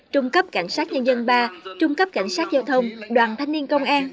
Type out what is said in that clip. trung cấp cảnh sát nhân dân ba trung cấp cảnh sát giao thông đoàn thanh niên công an